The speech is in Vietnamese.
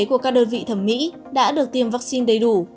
của các đơn vị thẩm mỹ đã được tiêm vaccine đầy đủ